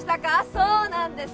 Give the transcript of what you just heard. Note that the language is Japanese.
そうなんです